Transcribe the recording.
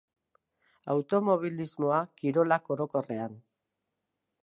Automobilismoa, kirolak orokorrean.